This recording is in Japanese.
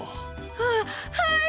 ははい！